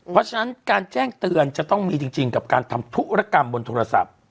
เพราะฉะนั้นการแจ้งเตือนจะต้องมีจริงกับการทำธุรกรรมบนโทรศัพท์